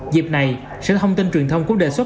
dịp này sở thông tin truyền thông cũng đề xuất